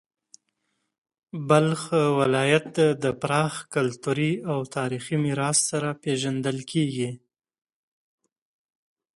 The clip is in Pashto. بلخ ولایت د پراخ کلتوري او تاریخي میراث سره پیژندل کیږي.